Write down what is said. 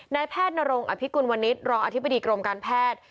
นายแพทย์นรงอภิกุลวันนี้รองอธิบดีกรมการแพทย์